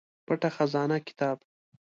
پټه خزانه کتاب